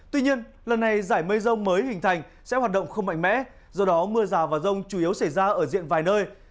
tuy nhiên lần này giải mây rông mới hình thành sẽ hoạt động không mạnh mẽ do đó mưa rào và rông chủ yếu xảy ra ở diện vài nơi